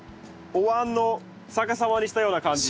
おわんを逆さまにしたような感じ。